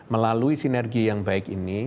melalui sinergi yang baik ini